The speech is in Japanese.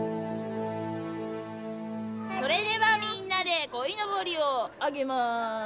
それではみんなでこいのぼりを揚げます。